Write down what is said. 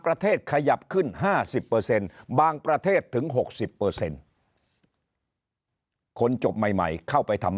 ขยับขึ้น๕๐บางประเทศถึง๖๐คนจบใหม่เข้าไปทำ